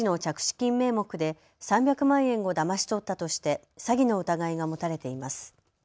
金名目で３００万円をだまし取ったとして詐欺の疑いが持たれています。